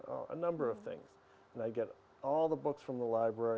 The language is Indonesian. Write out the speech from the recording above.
bahwa mereka ingin mengajar narasi